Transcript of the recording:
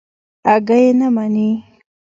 اگه يې نه مني.